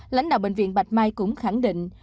lãnh đạo bệnh viện bạch mai cũng khẳng định